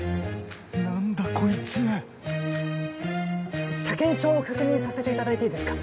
なんだコイツ車検証を確認させていただいていいですか。